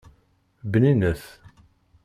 Bninet.